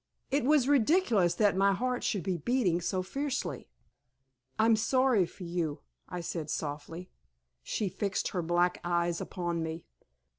It was ridiculous that my heart should be beating so fiercely. "I'm sorry for you," I said, softly. She fixed her black eyes upon me.